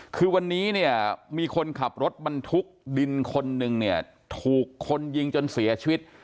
คือวันนี้เนี่ยมีคนขับรถบรรทุกดินคนนึงเนี่ยถูกคนยิงจนเสียชีวิต